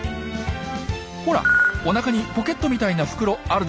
ほらおなかにポケットみたいな袋あるでしょ？